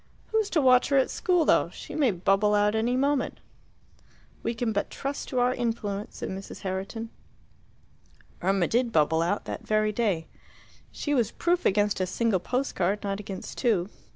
"Who's to watch her at school, though? She may bubble out any moment." "We can but trust to our influence," said Mrs. Herriton. Irma did bubble out, that very day. She was proof against a single post card, not against two.